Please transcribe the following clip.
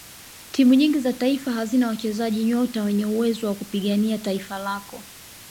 timu nyingi za taifa hazina wachezaji nyota wenye uwezo wa kupigania taifa lako